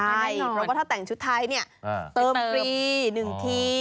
ใช่เพราะว่าถ้าแต่งชุดไทยเนี่ยเติมฟรี๑ที